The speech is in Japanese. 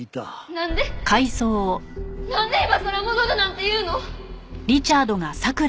なんで今さら戻るなんて言うの！？